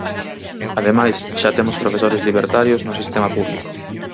Ademais, xa temos profesores libertarios no sistema público.